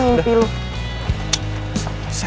serius dikit ini kasian